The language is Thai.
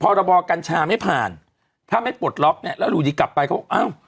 พรบกัญชาไม่ผ่านถ้าไม่ปลดล็อกเนี่ยแล้วอยู่ดีกลับไปเขาอ้าว